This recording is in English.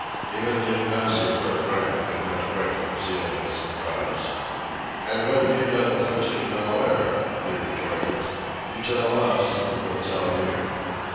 Even the impassive Bert Rhine could not quite conceal his surprise. "An' what have you done with Mr. Mellaire!" he retorted. "You tell us, an' we'll tell you."